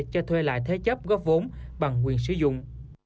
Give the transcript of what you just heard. cho thuê lại thế chấp góp vốn bằng quyền sử dụng